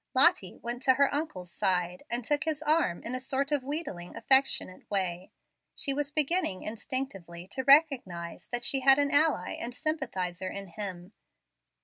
Lottie went to her uncle's side, and took his arm in a sort of wheedling, affectionate way. She was beginning instinctively to recognize that she had an ally and sympathizer in him.